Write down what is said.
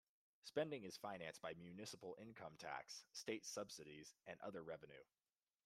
Spending is financed by municipal income tax, state subsidies, and other revenue.